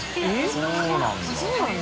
そうなんだ。